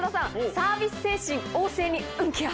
サービス精神旺盛に運気ＵＰ！